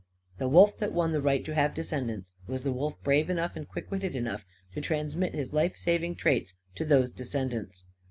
The wolf that won the right to have descendants was the wolf brave enough and quick witted enough to transmit his life saving traits to those descendants.